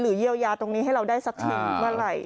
เยียวยาตรงนี้ให้เราได้สักทีเมื่อไหร่